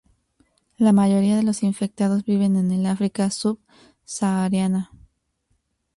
La mayoría de los infectados viven en el África subsahariana.